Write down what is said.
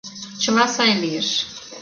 Чыла сай лиеш.